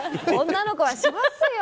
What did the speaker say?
女の子はしますよ！